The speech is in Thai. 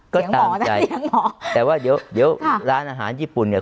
ก็ตกใจแต่ว่าเดี๋ยวเดี๋ยวร้านอาหารญี่ปุ่นเนี่ย